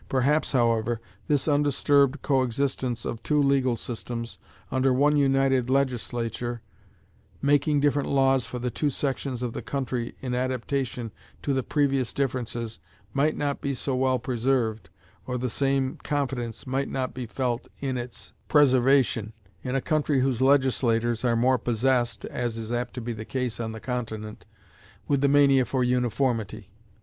Perhaps, however, this undisturbed coexistence of two legal systems under one united Legislature, making different laws for the two sections of the country in adaptation to the previous differences, might not be so well preserved, or the same confidence might not be felt in its preservation, in a country whose legislators are more possessed (as is apt to be the case on the Continent) with the mania for uniformity.